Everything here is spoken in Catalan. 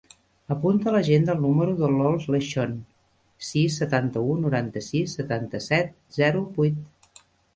Apunta a l'agenda el número de l'Iol Lechon: sis, setanta-u, noranta-sis, setanta-set, zero, vuit.